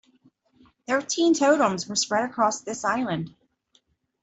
Thirteen totems were spread across this island.